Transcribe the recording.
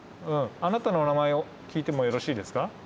あなたのお名前を聞いてもよろしいですか？